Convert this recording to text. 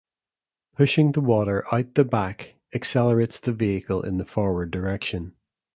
Pushing the water out the back accelerates the vehicle in the forward direction.